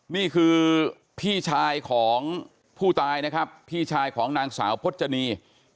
นี่คือพี่ชายของผู้ตายนะครับพี่ชายของนางสาวพจนี